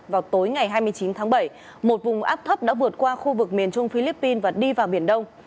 vào tối ngày hai mươi chín tháng bảy một vùng áp thấp đã vượt qua khu vực miền trung philippines và đi vào biển đông